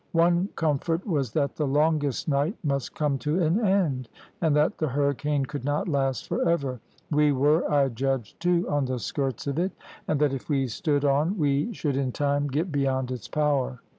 One comfort was that the longest night must come to an end, and that the hurricane could not last for ever. We were, I judged, too, on the skirts of it, and that if we stood on we should in time get beyond its power.